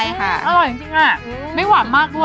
อร่อยจริงอ่ะไม่หวานมากด้วย